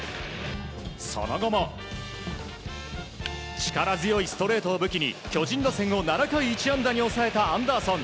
その後も力強いストレートを武器に巨人打線を７回１安打に抑えたアンダーソン。